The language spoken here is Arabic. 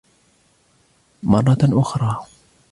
مرة أخرى.